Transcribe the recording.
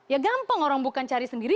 ya gampang orang bukan cari sendiri